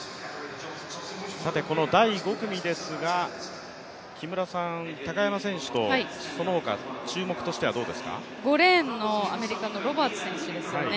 この第５組ですが、高山選手とそのほか、注目としてはどうですか５レーンのアメリカのロバーツ選手ですよね。